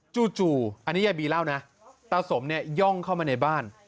จู่อันนี้ยายบีเล่านะตาสมเนี่ยย่องเข้ามาในบ้าน